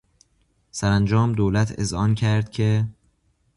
سرانجام دولت اذعان کرد که...